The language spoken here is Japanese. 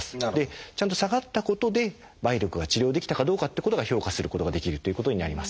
ちゃんと下がったことで梅毒が治療できたかどうかってことが評価することができるということになります。